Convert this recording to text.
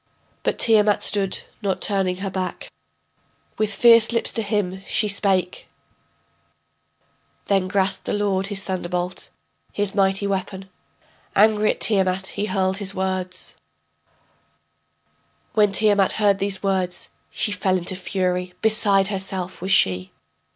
But Tiamat stood, not turning her back. With fierce lips to him she spake: Then grasped the lord his thunderbolt, his mighty weapon, Angry at Tiamat he hurled his words: When Tiamat heard these words, She fell into fury, beside herself was she.